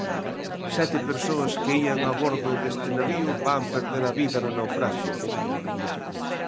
Sete persoas que ían a bordo deste navío van perder a vida no naufraxio.